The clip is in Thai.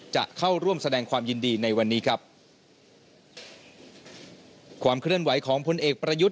จะเข้าร่วมแสดงความยินดีในวันนี้ครับความเคลื่อนไหวของพลเอกประยุทธ์